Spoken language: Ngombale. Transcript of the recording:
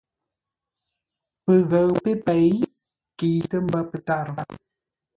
Pəghəʉ pé pêi kəitə ḿbə́ pə́tárə́.